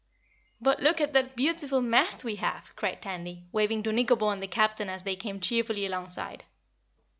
"But look at the beautiful mast we have!" cried Tandy, waving to Nikobo and the Captain as they came cheerfully alongside.